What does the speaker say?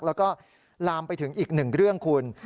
แล้วก็ลามไปถึงอีกหนึ่งเรื่องคุณ